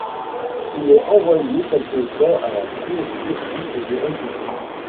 Il est envoyé quelque temps à la cour de Turquie et de Hongrie.